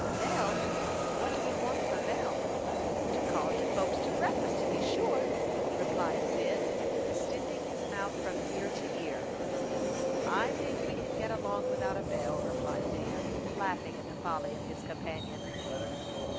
"Bell? What do we want of a bell?" "To call de folks to breakfas, to be sure," replied Cyd, distending his mouth from ear to ear. "I think we can get along without a bell," replied Dan, laughing at the folly of his companion.